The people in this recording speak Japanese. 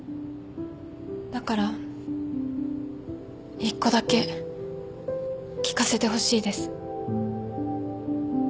だから一個だけ聞かせてほしいです。